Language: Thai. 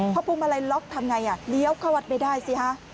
พอพวงมาลัยล็อกทำไงเลี้ยวเข้าวัดไม่ได้สิฮะ